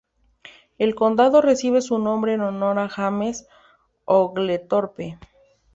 El condado recibe su nombre en honor a James Oglethorpe.